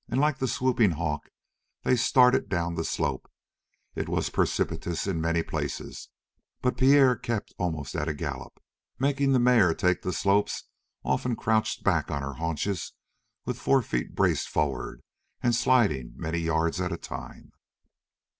And like the swooping hawk they started down the slope. It was precipitous in many places, but Pierre kept almost at a gallop, making the mare take the slopes often crouched back on her haunches with forefeet braced forward, and sliding many yards at a time.